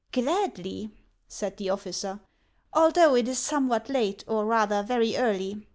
" Gladly," said the officer, " although it is somewhat late, or rather very early.